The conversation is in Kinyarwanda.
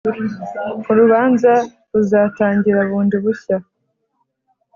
urubanza ruzatangira bundi bushya